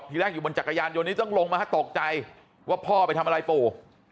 ทีแรกอยู่บนจักรยานยนต์นี้ต้องลงมาตกใจว่าพ่อไปทำอะไรปู่